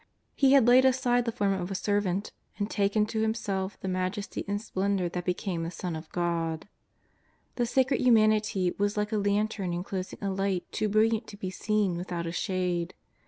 He had laid aside the form of a servant and taken to Himself the majesty and splendour that be came the Son of God. The Sacred Humanity was like a lantern enclosing a light too brilliant to be seen with out a shade.